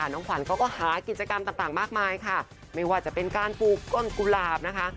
น้องขวัญเขาก็หากิจกรรมต่างมากมายค่ะไม่ว่าจะเป็นการปลูกต้นกุหลาบนะคะ